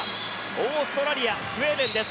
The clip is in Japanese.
オーストラリアスウェーデンです。